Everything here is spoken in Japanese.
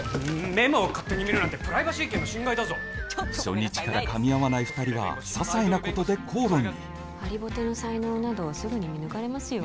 メモを勝手に見るなんてプライバシー権の侵害だぞ初日から噛み合わない２人はささいなことで口論にハリボテの才能などすぐに見抜かれますよ